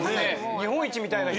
日本一みたいな人。